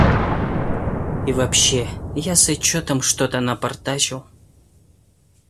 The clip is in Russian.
И вообще, я с отчетом что-то напортачил.